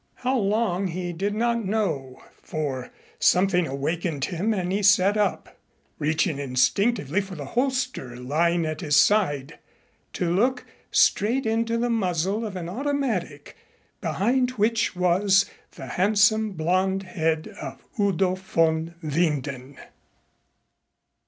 How long he did not know, for something awakened him and he sat up, reaching instinctively for the holster lying at his side, to look straight into the muzzle of an automatic, behind which was the handsome blond head of Udo von Winden.